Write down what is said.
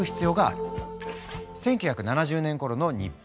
１９７０年ごろの日本。